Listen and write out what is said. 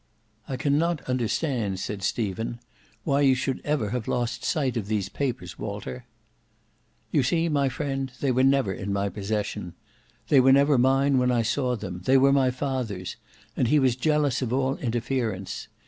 "I cannot understand," said Stephen, "why you should ever have lost sight of these papers, Walter." "You see, friend, they were never in my possession; they were never mine when I saw them. They were my father's; and he was jealous of all interference.